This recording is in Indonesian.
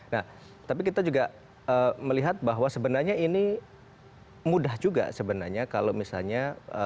nah tapi kita juga melihat bahwa sebenarnya ini mudah juga sebenarnya kalau misalnya